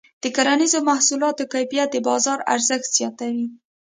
د کرنیزو محصولاتو کیفیت د بازار ارزښت زیاتوي.